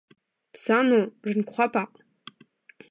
Ça, non, je ne crois pas.